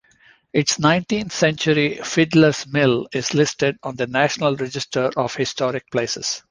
Its nineteenth century Fidler's Mill is listed on the National Register of Historic Places.